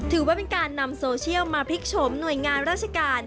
ถือว่าเป็นการนำโซเชียลมาพลิกโฉมหน่วยงานราชการ